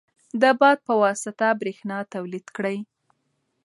د باد په واسطه برېښنا تولید کړئ.